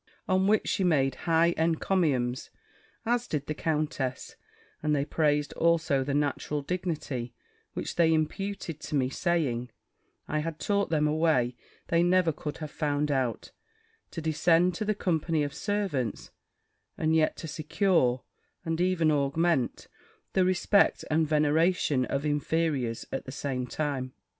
On which she made high encomiums, as did the countess; and they praised also the natural dignity which they imputed to me, saying, I had taught them a way they never could have found out, to descend to the company of servants, and yet to secure, and even augment, the respect and veneration of inferiors at the same time.